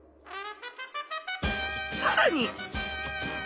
さらに！